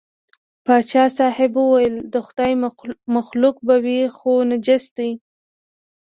پاچا صاحب وویل د خدای مخلوق به وي خو نجس دی.